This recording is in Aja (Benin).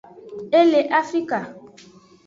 Le afrka.